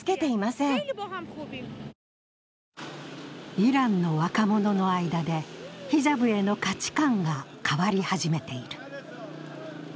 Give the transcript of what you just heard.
イランの若者の間でヒジャブへの価値観が変わり始めている。